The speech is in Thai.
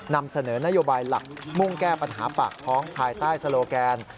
นำเสนอนโยบายหลักมุ่งแก้ปัญหาปากท้องภายใต้สโลแกน